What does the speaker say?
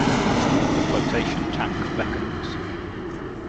The flotation tank beckons.